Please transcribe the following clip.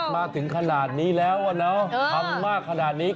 มาถึงขนาดนี้แล้ววันนี้เล่ามักขนาดนี้